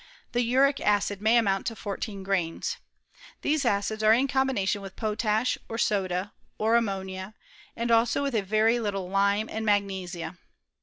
The uric acid may amount to fourteen grains. These acids are in combination with potash, or soda, or ammonia, and also with a very little lime and m^ nesia.